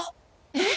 えっ？